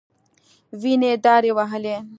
وينې دارې وهلې.